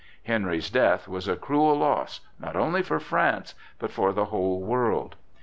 Henry's death was a cruel loss not only for France, but for the whole world.